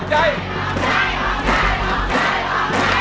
ใจจะขาดแล้วเอ้ย